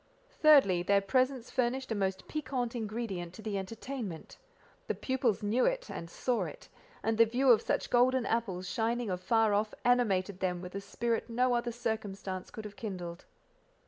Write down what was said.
Thirdly: their presence furnished a most piquant ingredient to the entertainment: the pupils knew it, and saw it, and the view of such golden apples shining afar off, animated them with a spirit no other circumstance could have kindled.